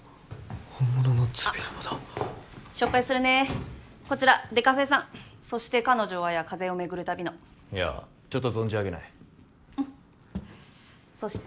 本物のＺＵＢＩＤＡＶＡだあっ紹介するねこちらデカフェさん「そして彼女は」や「風を巡る旅」のいやちょっと存じ上げないうんそして